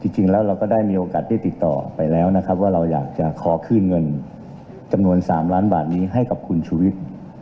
จริงแล้วเราก็ได้มีโอกาสได้ติดต่อไปแล้วนะครับว่าเราอยากจะขอคืนเงินจำนวน๓ล้านบาทนี้ให้กับคุณชุวิต